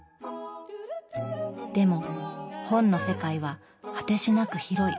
でも本の世界は果てしなく広い。